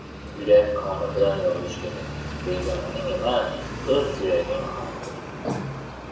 — Yurak qoni bilan yozish kerak. Begonaning emas, o‘z yuraging qoni bilan.